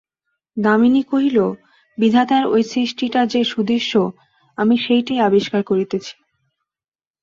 দামিনী কহিল, বিধাতার ঐ সৃষ্টিটা যে সুদৃশ্য, আমি সেইটেই আবিষ্কার করিতেছি।